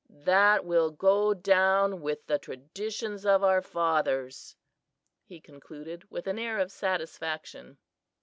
That will go down with the traditions of our fathers," he concluded with an air of satisfaction.